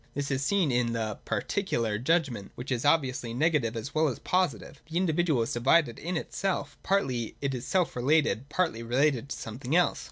(This is seen in the Particular judg ment, which is obviously negative as well as positive : the individual is divided in itself: partly it is self related, partly related to something else.)